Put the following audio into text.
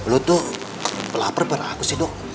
lu tuh belaper berlaku sih dok